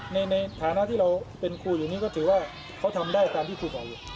ในฐานะที่เราเป็นครูอยู่นี่ก็ถือว่าเขาทำได้ตามที่ครูบอกอยู่